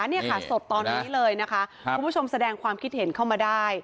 นี่ค่ะสดตอนนี้เลยนะคะคุณผู้ชมแสดงความคิดเห็นเข้ามาได้